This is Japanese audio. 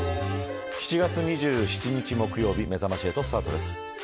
７月２７日木曜日めざまし８スタートです。